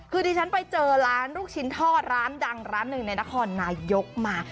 คือดิฉันไปเจอร้านลูกชิ้นทอดร้านดังร้านหนึ่งในนครนายกมา